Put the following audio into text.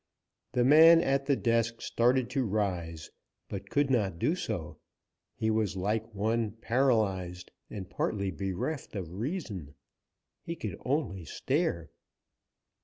The man at the desk started to rise, but could not do so; he was like one partly paralyzed and partly bereft of reason. He could only stare.